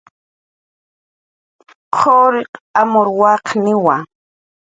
quriq amur waqniwa